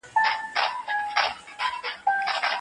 هغوی په مدیریت کې پاتې راغلل.